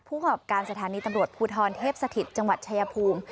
กับการสถานีตำรวจภูทรเทพสถิตจังหวัดชายภูมิ